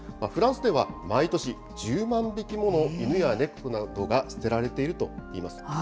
フランスでは、毎年１０万匹もの犬や猫などが捨てられているといいます。